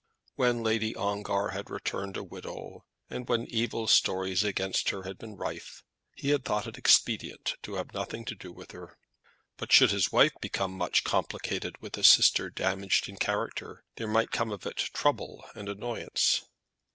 When Lady Ongar had returned a widow, and when evil stories against her had been rife, he had thought it expedient to have nothing to do with her. He did not himself care much about his sister in law's morals; but should his wife become much complicated with a sister damaged in character there might come of it trouble and annoyance.